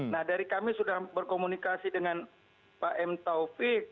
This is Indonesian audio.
nah dari kami sudah berkomunikasi dengan pak m taufik